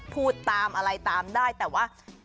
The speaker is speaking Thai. พูดตามอะไรตามได้แต่ว่า